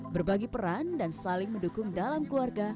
berbagi peran dan saling mendukung dalam keluarga